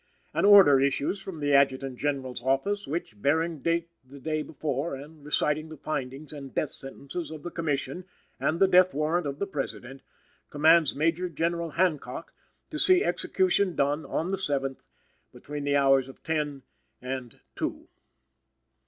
An order issues from the Adjutant General's office which, bearing date the day before and reciting the findings and death sentences of the Commission and the death warrant of the President, commands Major General Hancock to see execution done, on the seventh, between the hours of ten and two.